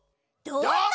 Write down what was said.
どうぞ！